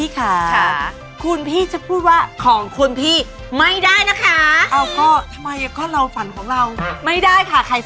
คางนี้ค่ะคางนี้ก๊าว